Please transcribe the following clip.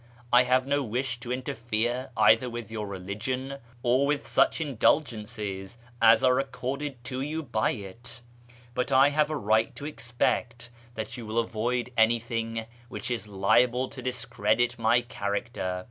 I have no wish to interfere either with your religion, or with such indulgences as are accorded to you by it, but I have a right to expect that you will avoid anything which is liable to discredit my character."